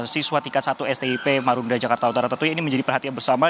siswa tingkat satu stip marunda jakarta utara tentunya ini menjadi perhatian bersama